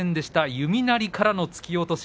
弓なりからの突き落とし。